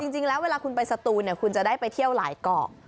จริงแล้วเวลาคุณไปสตูนคุณจะได้ไปเที่ยวหลายเกาะ